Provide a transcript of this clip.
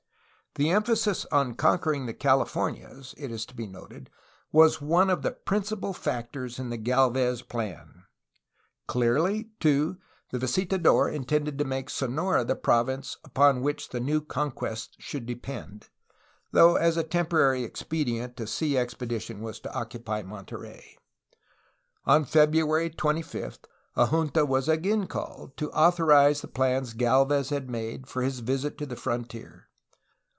The emphasis on conquering the Californias, it is to be noted, was one of the principal factors in the Gdlvez plan. JOSfi DE GALVEZ 215 Clearly, too, the visitador intended to make Sonora the prov ince upon which the new conquests should depend, though as a temporary expedient a sea expedition was to occupy Monterey. On February 25 a junta was again called, to authorize the plans Galvez had made for his visit to the frontier.